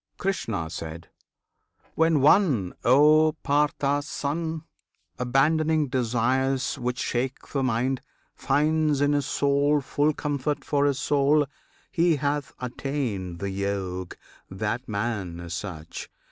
Krishna. When one, O Pritha's Son! Abandoning desires which shake the mind Finds in his soul full comfort for his soul, He hath attained the Yog that man is such!